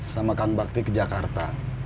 sama kan bakti ke jakarta